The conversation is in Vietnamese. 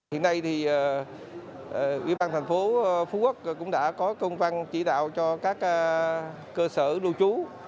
hiện nay thì ubnd thành phố phú quốc cũng đã có công văn chỉ đạo cho các cơ sở đô chú